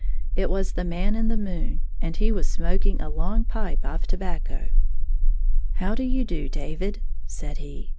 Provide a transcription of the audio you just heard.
It was the Man in the moon, and he was smoking a long pipe of tobacco. How do you do, David 1" said he.